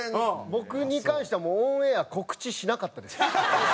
僕に関してはもうオンエア告知しなかったです。